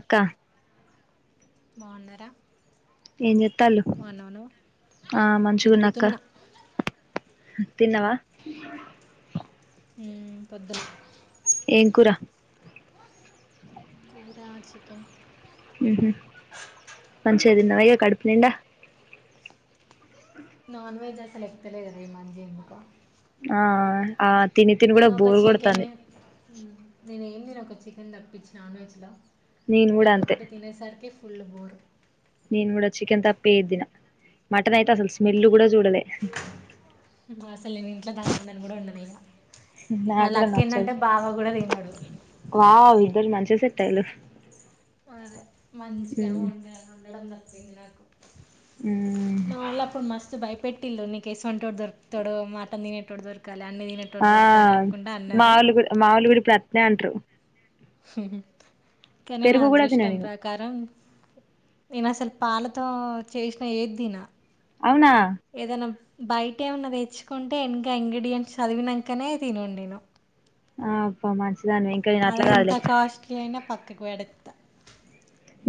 అక్క బాగున్నారా ఏం చేత్తల్లు బాగున్నాను ఆ మంచిగున్నక్క తిరుగుతున్నా తిన్నవా మ్మ్ పొద్దుల ఏం కూర కూరా చికెన్ మ్మ్ హ్మ్ మంచిగ తిన్నవా ఇగ కడుపు నిండా నాన్ వెెజ్ ఆ లెక్కలే కదా ఈ మంచి ఎందుకో ఆ ఆ ఆ తిని తిని కూడా నేను ఒక బోరు చికెనే కొడతాంది నేనేం తినన్ చికెన్ తప్పించి నాన్ వెజ్ లో నేను కూడా అంతే దాదొకటె తినే సరికి ఓయమ్మో నేను కూడా చికెన్ తప్పేద్దిన మటన్ అయితే అసలు స్మెల్ కూడా చూడలే అసలు నేను ఇంట్లో దనందాని కూడా వండనీయ నా నాకు కూడా నచ్చదు లక్కేందంటే బావ కూడా తినడు వావ్ ఇద్దరు మంచిగ సెట్టయిల్లు అదే మంచిగా ఉండ ఉండడమే తినాకు ఉమ్ నాలప్పుడు మస్ బై పెట్టిల్లు నీసం అంట వాడు దొరుకుతాడు మాట తినేటోడు దొరకు ఆ మావలు గుడి మావలు గుడి ప్రత్న అంటారు హ కానీ నా పెరుగు కూడా తిన అదృష్టం నేను ప్రకారం నేను అసలు పాలతో చేసిన ఏది దీన అవునా ఏదైనాం బయట ఏమన్నా తెచ్చుకుంటే ఇంకా ఇంగ్రీడియంట్స్ చదివినాకనే తినం నేను ఆ అప్పమా దాని వెంకయ్యని అట్లా కాదులేదు అక్కకి వెడతా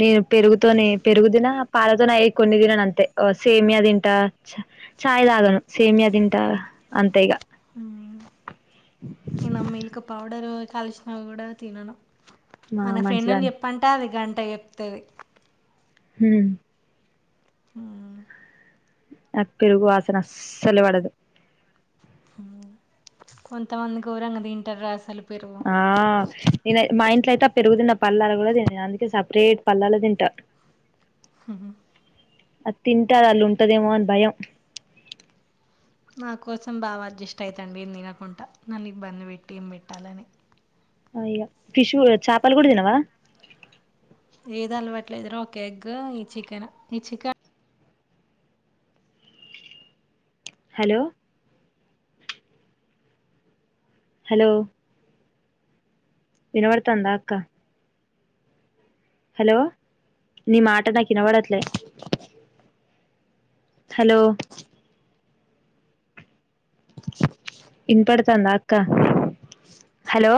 నేను పెరుగుతోనే పెరుగుదిన పాలతోనే అయ కొన్ని తినను అంతే సేమియా తింట చాయ్ తాగను సేమియా తింట అంతే ఇగా హ ఇన్న మిల్క్ పౌడర్ కలిసినవి కూడా తినను మా మన ఫ్రెండ్ని మంచిదాన్ని చెప్పంట అది గంట అట్ట ఎప్తుంది హ ఆ ఆ పెరుగు వాసనసలవాడదు కొంతమంది ర కది ఇంటర్ అసలు పెరుగు ఆ నేను మా ఇంట్లో అయితే పెరుగు తన్న పల్లాలు కూడా తను అందుకే సపరేట్ పల్లాలు తింటా హ అది తింటారు అల్లుు ఉంటదేమో అని భయం నా కోసం బాగా అడ్జస్ట్ అవుతుండి ఏ తినకుండా నన్ను ఇబ్బంది పెట్టి ఏం పెట్టాలని ఇ ఫిష్ చాపాలు కూడా దినవా ఏది అలవట్లేదురో ఒక ఎగ్ ఈ చికెన్ ఈ చికెన్ హలో హలో వినవర్తందా అక్క హలో నీ మాట నా కినవాడత్లే హలో ఇన్పడుతాందా అక్క హలో